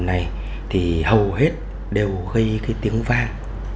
này thì hầu hết đều gây cái tiếng vang